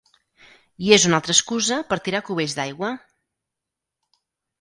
I és una altra excusa per tirar cubells d'aigua!